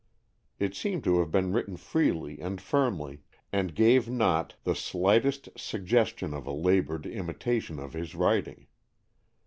It seemed to have been written freely and firmly, and gave not the slightest suggestion of a laboured imita tion of his writing.